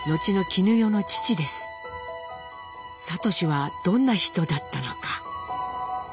智はどんな人だったのか？